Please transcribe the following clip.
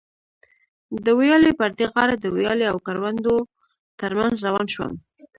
د ویالې پر دې غاړه د ویالې او کروندو تر منځ روان شوم.